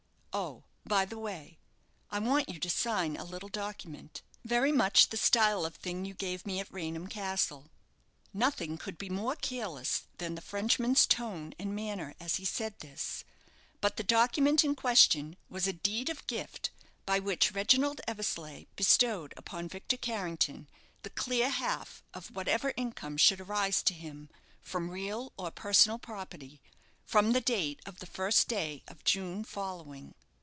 Oh, by the way, I want you to sign a little document very much the style of thing you gave me at Raynham Castle." Nothing could be more careless than the Frenchman's tone and manner as he said this; but the document in question was a deed of gift, by which Reginald Eversleigh bestowed upon Victor Carrington the clear half of whatever income should arise to him, from real or personal property, from the date of the first day of June following.